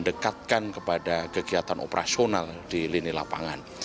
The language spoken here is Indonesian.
dan menekankan kepada kegiatan operasional di lini lapangan